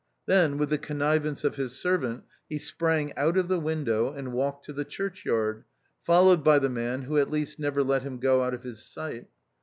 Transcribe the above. Then, with the conniv ance of his servant, he sprang out of the window, and walked to the churchyard, followed by the man who at least never let him go out of his sight.